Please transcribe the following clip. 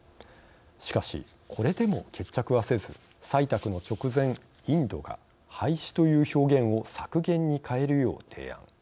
しかしこれでも決着はせず採択の直前インドが廃止という表現を削減に変えるよう提案。